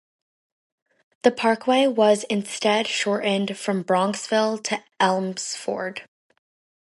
The parkway was instead shortened from Bronxville to Elmsford.